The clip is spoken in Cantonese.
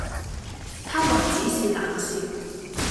他還只是冷笑，